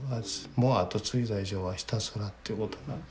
もう後継いだ以上はひたすらということ。